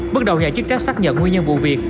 bước đầu nhà chức trách xác nhận nguyên nhân vụ việc